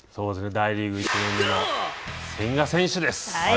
大リーグ１年目の千賀選手です。